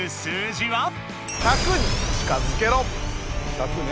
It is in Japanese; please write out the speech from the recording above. １００ね。